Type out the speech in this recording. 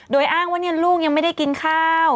โดยอ้างว่าลูกยังไม่ได้กินข้าว